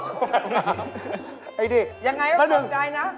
แบบนั้นครับไอ้ดิยังไงว่าปลอมใจนะ